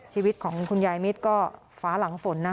ชีวิตของคุณยายมิตรก็ฟ้าหลังฝนนะ